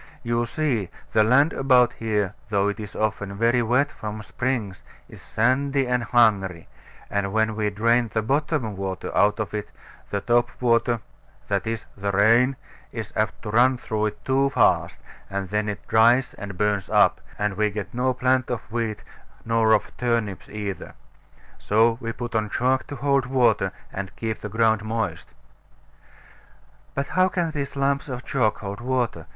You see, the land about here, though it is often very wet from springs, is sandy and hungry; and when we drain the bottom water out of it, the top water (that is, the rain) is apt to run through it too fast: and then it dries and burns up; and we get no plant of wheat, nor of turnips either. So we put on chalk to hold water, and keep the ground moist. But how can these lumps of chalk hold water?